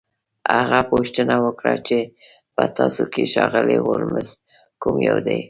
هغه پوښتنه وکړه چې په تاسو کې ښاغلی هولمز کوم یو دی